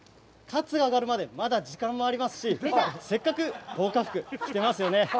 カツが揚がるまでまだ時間もありますし、せっかく防火服、着てますよね？